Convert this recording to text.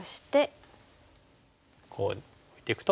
こうやっていくと。